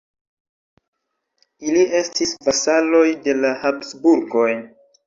Ili estis vasaloj de la Habsburgoj.